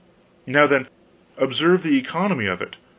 Now, then, observe the economy of it.